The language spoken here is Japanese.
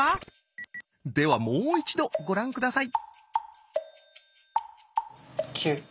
ではもう一度ご覧下さい。